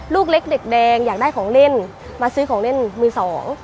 ลูกเล็กเด็กแดงอยากได้ของเล่นมาซื้อของเล่นมือสอง